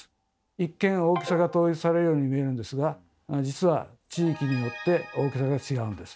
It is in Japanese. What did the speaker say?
一見大きさが統一されるように見えるんですが実は地域によって大きさが違うんです。